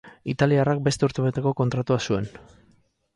Italiarrak beste urtebeteko kontratua zuen.